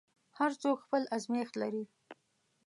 هر څوک خپل ازمېښت لري.